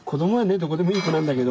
どこでもいい子なんだけど。